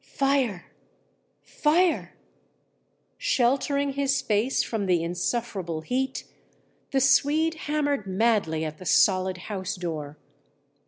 "'Fire! Fire!' "Sheltering his face from the insufferable heat, the Swede hammered madly at the solid house door.